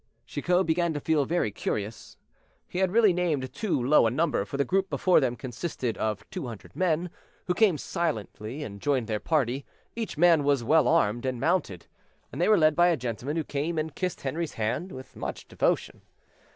Chicot began to feel very curious. He had really named too low a number, for the group before them consisted of two hundred men, who came silently and joined their party; each man was well armed and mounted, and they were led by a gentleman who came and kissed Henri's hand with much devotion.